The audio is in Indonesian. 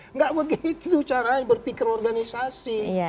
nggak begitu caranya berpikir organisasi